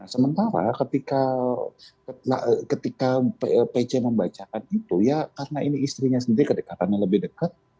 sementara ketika pc membacakan itu ya karena ini istrinya sendiri kedekatannya lebih dekat